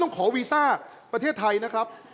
ในประเทศไทยนะครับ